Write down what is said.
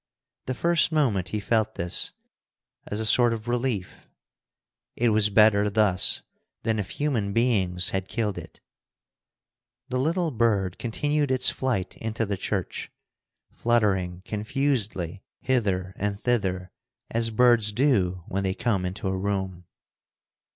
The first moment he felt this as a sort of relief. It was better thus than if human beings had killed it. The little bird continued its flight into the church, fluttering confusedly hither and thither, as birds do when they come into a room.